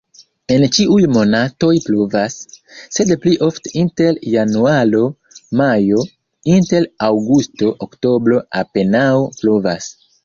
En ĉiuj monatoj pluvas, sed pli ofte inter januaro-majo, inter aŭgusto-oktobro apenaŭ pluvas.